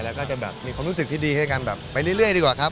แล้วก็จะแบบมีความรู้สึกที่ดีให้กันแบบไปเรื่อยดีกว่าครับ